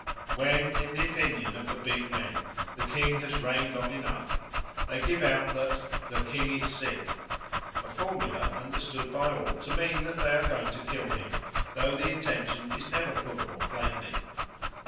When in the opinion of the big men the king has reigned long enough, they give out that 'the king is sick' a formula understood by all to mean that they are going to kill him, though the intention is never put more plainly.